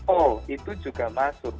oh itu juga masuk